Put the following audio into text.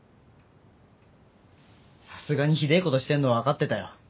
さすがにひでぇことしてんのは分かってたよ。